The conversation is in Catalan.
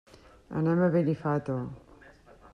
Anem a Benifato.